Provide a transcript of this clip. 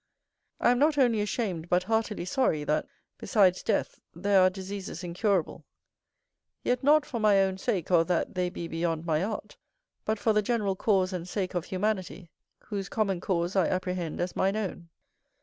I am not only ashamed but heartily sorry, that, besides death, there are diseases incurable; yet not for my own sake or that they be beyond my art, but for the general cause and sake of humanity, whose common cause I apprehend as mine own.